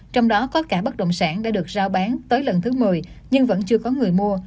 trong đó có cả bất động sản đã được giao bán tới lần thứ một mươi nhưng vẫn chưa có người mua